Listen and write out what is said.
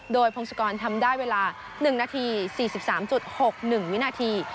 โดยพงศกรทำได้เวลา๑นาที๔๓๖๑วินาที